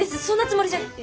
そんなつもりじゃ。